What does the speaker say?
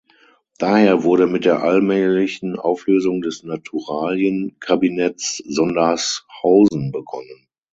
Daher wurde mit der allmählichen Auflösung des Naturalienkabinetts Sondershausen begonnen.